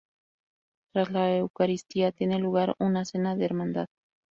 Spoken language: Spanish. Tras la eucaristía, tiene lugar una cena de hermandad.